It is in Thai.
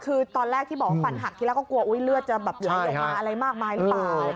คือตอนแรกที่บอกว่าฟันหักทีแรกก็กลัวอุ๊ยเลือดจะแบบไหลลงมาอะไรมากมายหรือเปล่า